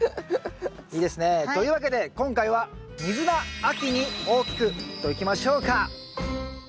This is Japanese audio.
いいですね。というわけで今回はといきましょうか。